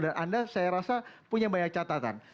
dan anda saya rasa punya banyak catatan